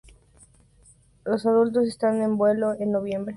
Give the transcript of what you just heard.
Los adultos están en vuelo en noviembre y diciembre.